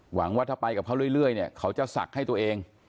หวังว่าถ้าไปกับเขาเรื่อยเนี่ยเขาจะศักดิ์ให้ตัวเอง